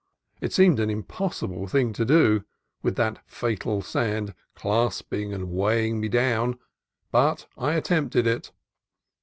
It seemed an impossible thing to do, with that fatal sand clasping and weighing me down, but I attempted it.